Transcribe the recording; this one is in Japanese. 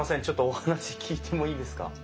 ちょっとお話聞いてもいいですか？